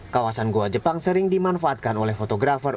kawasan gua jepang sering dimanfaatkan oleh fotografer